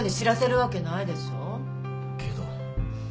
けど。